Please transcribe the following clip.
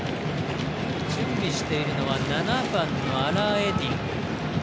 準備しているのは７番のアラーエディン。